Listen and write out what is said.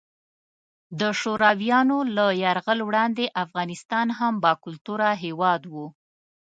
د شورویانو له یرغل وړاندې افغانستان هم باکلتوره هیواد وو.